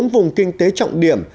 bốn vùng kinh tế trọng điểm